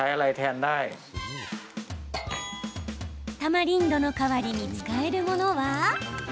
タマリンドの代わりに使えるものは？